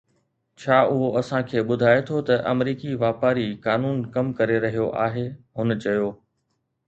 ڇا اهو اسان کي ٻڌائي ٿو ته آمريڪي واپاري قانون ڪم ڪري رهيو آهي، هن چيو